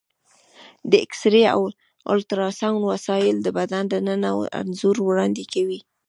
د ایکسرې او الټراساونډ وسایل د بدن دننه انځور وړاندې کوي.